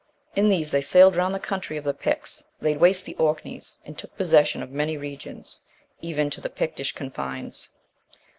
In these they sailed round the country of the Picts, laid waste the Orkneys, and took possession of many regions, even to the Pictish confines.